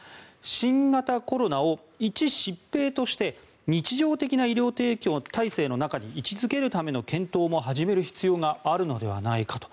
新型コロナを一疾病として日常的な医療提供体制の中に位置付けるための検討も始める必要があるのではないかと。